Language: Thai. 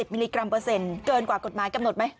มิลลิกรัมเปอร์เซ็นต์เกินกว่ากฎหมายกำหนดไหม